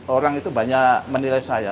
orang itu banyak menilai saya